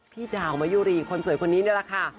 พี่ดาวมะยุรีคนสวยคนนี้นี่แหละค่ะ